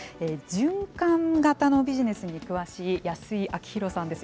循環型のビジネスに詳しい安居昭博さんです。